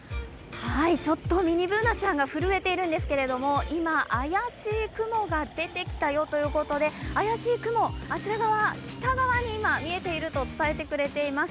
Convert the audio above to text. ちょっとミニＢｏｏｎａちゃんが震えているんですけれども、今、怪しい雲が出てきたよということで怪しい雲、あちら側、北側に出ていると伝えてくれています。